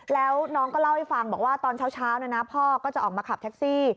แล้วน้องก็เล่าให้ฟังบอกว่าตอนเช้าพ่อก็จะออกมาขับแท็กซี่